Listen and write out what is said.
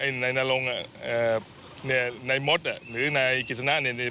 ไอ้นายนารงอ่ะเอ่อเนี่ยนายมดอ่ะหรือนายกิษณะเนี่ย